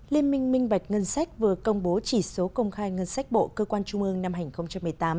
liên minh minh vạch ngân sách vừa công bố chỉ số công khai ngân sách bộ cơ quan trung ương năm hành một mươi tám